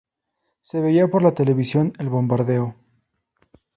Se veía por la televisión el bombardeo.